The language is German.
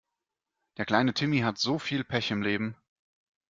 Der kleine Timmy hat so viel Pech im Leben!